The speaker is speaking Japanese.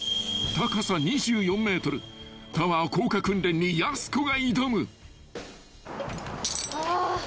［高さ２４ｍタワー降下訓練にやす子が挑む］